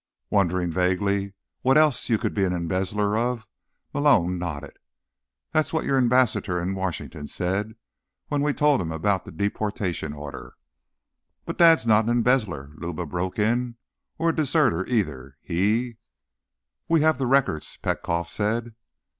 Wondering vaguely what else you could be an embezzler of, Malone nodded. "That's what your ambassador in Washington said, when we told him about the deportation order." "But Dad's not an embezzler," Luba broke in. "Or a deserter, either. He—" "We have the records," Petkoff said.